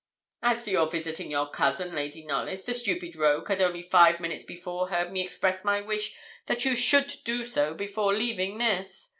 'As to your visiting your cousin, Lady Knollys, the stupid rogue had only five minutes before heard me express my wish that you should do so before leaving this.